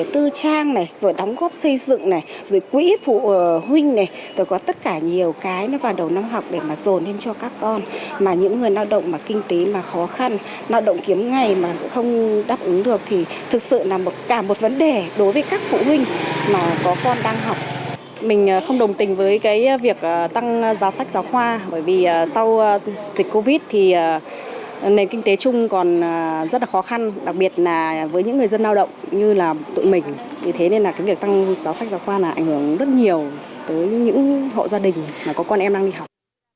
thế nên là cái việc tăng giáo sách giao khoa là ảnh hưởng rất nhiều tới những hộ gia đình mà có con em đang đi học